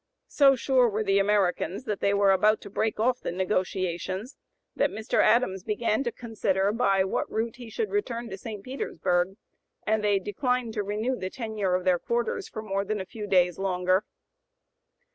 So sure were the Americans that they were about to break off the negotiations that Mr. Adams began to consider by (p. 086) what route he should return to St. Petersburg; and they declined to renew the tenure of their quarters for more than a few days longer.